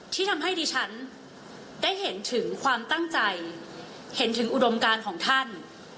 ที่ทำให้ดิฉันได้เห็นถึงความตั้งใจเห็นถึงอุดมการของท่าน